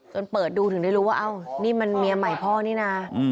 เปิดดูถึงได้รู้ว่าเอ้านี่มันเมียใหม่พ่อนี่นะ